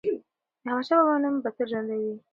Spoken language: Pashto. د احمدشاه بابا نوم به تل ژوندی وي.